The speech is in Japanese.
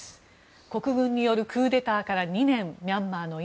国軍によるクーデターから２年ミャンマーの今。